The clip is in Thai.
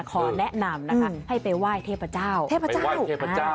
ขอแนะนำนะคะให้ไปว่ายเทพเจ้าเทพเจ้าไปว่ายเทพเจ้า